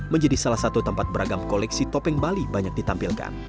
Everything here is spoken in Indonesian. menjadi salah satu tempat beragam koleksi topeng bali banyak ditampilkan